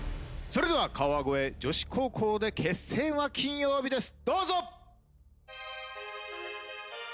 それでは川越女子高校で「決戦は金曜日」です